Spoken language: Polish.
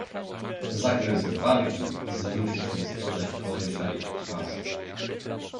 "Zagryzł wargi i zwrócił się w stronę koźlej twarzy."